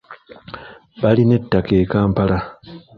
Balina ettaka e Kampala.